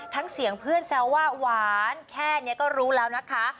เสียงเพื่อนแซวว่าหวานแค่นี้ก็รู้แล้วนะคะ